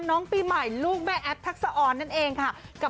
น้องปีใหม่ลูกแม่แอฟทักษะออนนั่นเองค่ะ